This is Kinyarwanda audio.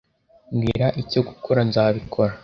Mbwira icyo gukora nzabikora.